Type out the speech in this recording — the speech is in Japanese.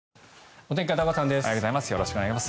おはようございます。